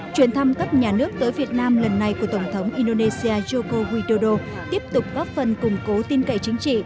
chuyến thăm cấp nhà nước tới việt nam lần này của tổng thống indonesia joko widodo tiếp tục góp phần củng cố tin cậy chính trị